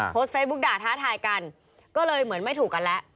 โพสต์เฟซบุ๊กด่าท้าทายกันก็เลยเหมือนไม่ถูกกันแล้ว